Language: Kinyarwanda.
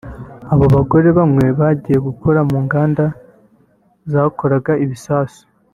Aba bagore bamwe bagiye gukora mu nganda zakoraga ibisasu